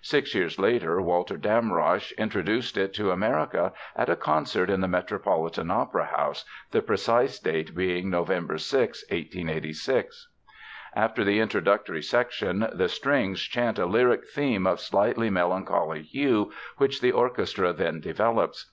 Six years later Walter Damrosch introduced it to America at a concert in the Metropolitan Opera House, the precise date being November 6, 1886. After the introductory section, the strings chant a lyric theme of slightly melancholy hue, which the orchestra then develops.